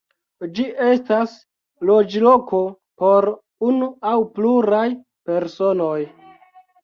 Ĝi estas loĝloko por unu aŭ pluraj personoj.